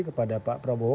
kepada pak prabowo